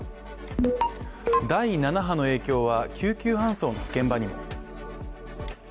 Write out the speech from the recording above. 第７波の影響は救急搬送の現場にも。